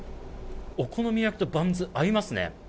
お好み焼きとバンズ、合いますね。